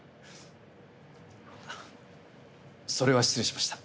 それは失礼しました。